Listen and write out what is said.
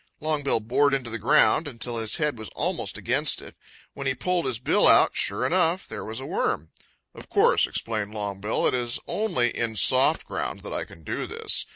Longbill bored into the ground until his head was almost against it. When he pulled his bill out, sure enough, there was a worm. "Of course," explained Longbill, "it is only in soft ground that I can do this.